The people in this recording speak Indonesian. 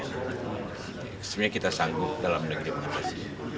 sebenarnya kita sanggup dalam negeri mengatasi